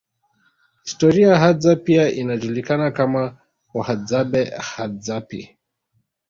Historia Hadza pia inajulikana kama Wahadzabe Hadzapi